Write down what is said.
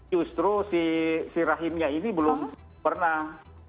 justru si rahimnya ini belum pernah